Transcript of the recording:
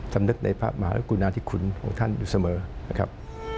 สำนึกในภาพหมาและกุญนาธิคุณของท่านอยู่เสมอนะครับ